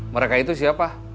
mereka itu siapa